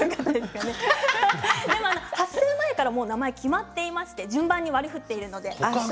発生前からもう名前が決まっていまして順番に割り振っているので。